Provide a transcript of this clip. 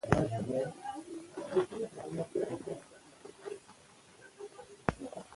ازادي راډیو د حیوان ساتنه په اړه د پېښو رپوټونه ورکړي.